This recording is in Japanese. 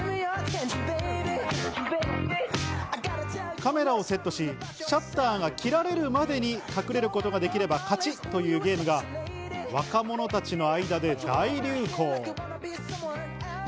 カメラをセットし、シャッターが切られるまでに隠れることができれば勝ちというゲームが若者たちの間で大流行。